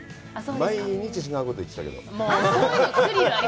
毎日違うこと言ってたけど。